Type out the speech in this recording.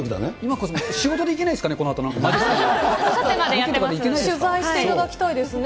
仕事で行けないですかね、このあとなんとかね。取材していただきたいですね。